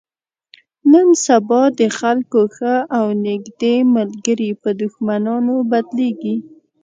نن سبا د خلکو ښه او نیږدې ملګري په دښمنانو بدلېږي.